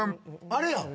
あれやん！